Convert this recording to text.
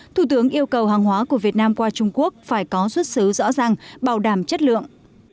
thủ tướng yêu cầu hàng hóa của việt nam qua trung quốc phải có xuất xứ rõ ràng bảo đảm chất lượng